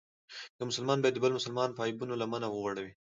یو مسلمان باید د بل مسلمان په عیبونو لمنه وغوړوي.